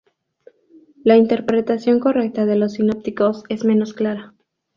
La interpretación correcta de los sinópticos es menos clara.